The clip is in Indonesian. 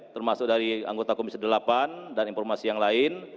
termasuk dari anggota komisi delapan dan informasi yang lain